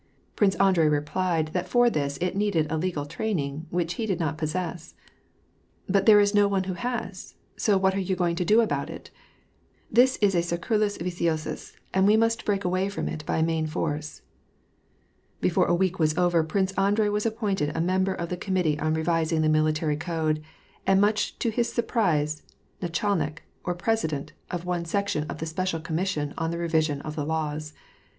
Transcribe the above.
Prince Andrei replied that for this it needed a legal train ing, which he did not possess. ^' But there is no one who has ; so what are yon going to do about it ? This is a circulu^ viciosus, and we must break away from it by main force." ■ Before a week was over, Prince Andrei was appointed a member of the Committee on Revising the Military Code, aud, much to his surprise, ndchalnlkj or president, of one section of the Special Commission on the Revision of the Laws.